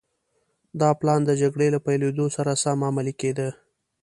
دا پلان د جګړې له پيلېدو سره سم عملي کېده.